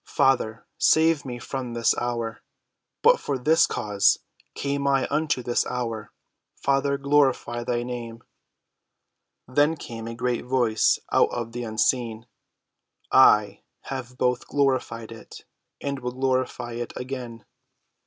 Father, save me from this hour. But for this cause came I unto this hour. Father, glorify thy name." Then came a great Voice out of the unseen. "I have both glorified it, and will glorify it again."